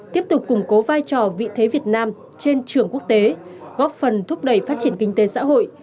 tiếp tục củng cố vai trò vị thế việt nam trên trường quốc tế góp phần thúc đẩy phát triển kinh tế xã hội